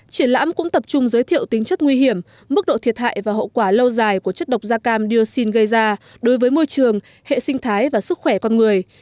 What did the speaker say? triển lãm cũng tập trung giới thiệu tính chất nguy hiểm mức độ thiệt hại và hậu quả lâu dài của chất độc da cam dioxin gây ra đối với môi trường hệ sinh thái và sức khỏe con người